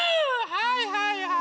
はいはいはい。